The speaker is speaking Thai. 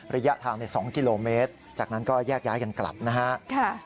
ระยะทาง๒กิโลเมตรจากนั้นก็แยกย้ายกันกลับนะฮะ